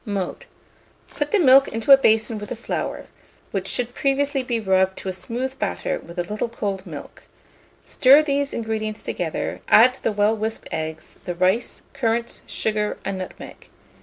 Mode. Put the milk into a basin with the flour, which should previously be rubbed to a smooth batter with a little cold milk; stir these ingredients together; add the well whisked eggs, the rice, currants, sugar, and nutmeg.